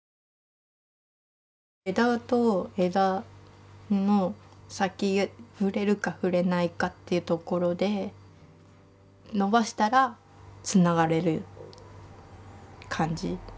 枝と枝の先触れるか触れないかっていうところで伸ばしたらつながれる感じ。